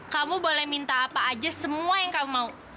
kamu boleh minta apa aja semua yang kamu mau